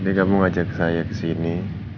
jadi kamu ngajak saya ke sini